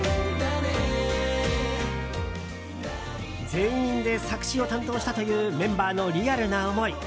全員で作詞を担当したというメンバーのリアルな思い。